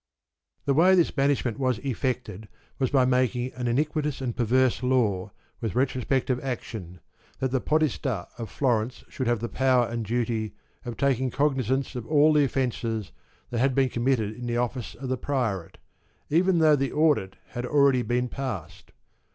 126 The way this banishment was effected was by making an iniquitous and perverse law, with retro spective action, that the Podesta of Florence should have the power and duty of taking cognizance of all the offences that had been committed in the office of the Priorate, even though the audit had already been passed.